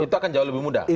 itu akan jauh lebih mudah